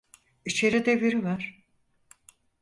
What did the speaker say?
İçeride biri var.